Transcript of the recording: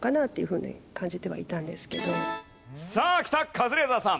カズレーザーさん。